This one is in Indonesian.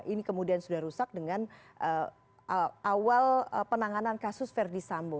ini kemudian sudah rusak dengan awal penanganan kasus verdi sambo